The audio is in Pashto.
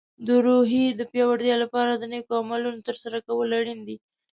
د روحیې د پیاوړتیا لپاره د نیکو عملونو ترسره کول اړین دي.